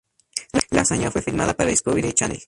La hazaña fue filmada para Discovery Channel.